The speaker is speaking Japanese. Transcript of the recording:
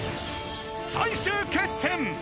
［最終決戦］